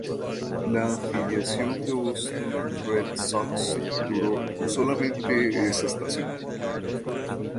La afiliación de Boston Red Sox duró solamente esa estación.